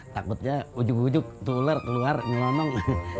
takutnya ujuk ujuk tuh ular keluar ngelonong